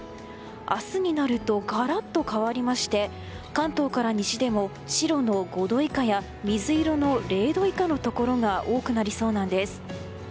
明日になるとガラッと変わりまして関東から西でも、白の５度以下や水色の０度以下のところが多くなりそうなんです。